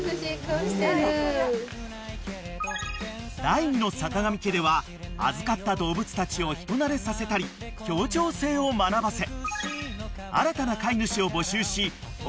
［第２の坂上家では預かった動物たちを人なれさせたり協調性を学ばせ］